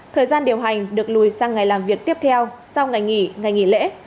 thời gian điều hành được lùi sang ngày làm việc tiếp theo sau ngày nghỉ ngày nghỉ lễ